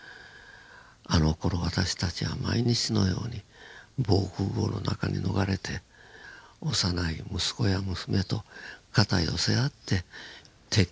「あのころ私たちは毎日のように防空壕の中に逃れて幼い息子や娘と肩寄せ合って敵機におびえていた。